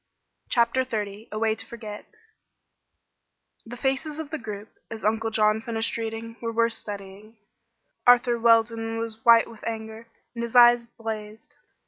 CHAPTER XXX A WAY TO FORGET The faces of the group, as Uncle John finished reading, were worth studying. Arthur Weldon was white with anger, and his eyes blazed.